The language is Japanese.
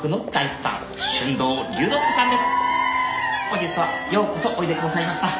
本日はようこそおいでくださいました。